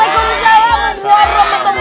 waalaikumsalam warahmatullahi wabarakatuh